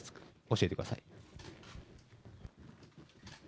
教えてください。